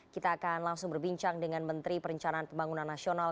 kita akan langsung berbincang dengan menteri perencanaan pembangunan nasional